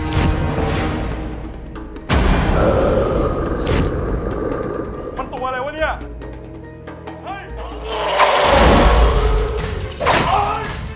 มันตัวอะไรวะเนี่ยเฮ้ย